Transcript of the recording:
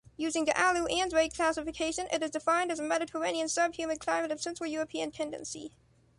Using the Allue-Andrade classification, it is defined as a Mediterranean sub-humid climate of Central European tendency.